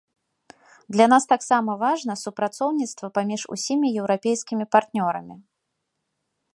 Для нас таксама важна супрацоўніцтва паміж усімі еўрапейскімі партнёрамі.